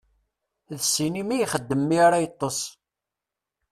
D ssinima i ixeddem mi ara yeṭṭes.